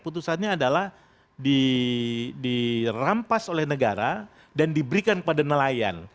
putusannya adalah dirampas oleh negara dan diberikan kepada nelayan